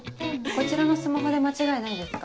こちらのスマホで間違いないですか？